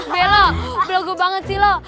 belok banget sih lo